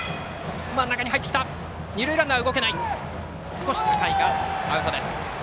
少し高いがアウト。